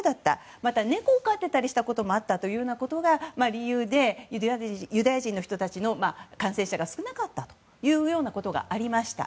また、猫を飼っていたりしたこともあったということが理由でユダヤ人の人たちの感染者が少なかったということがありました。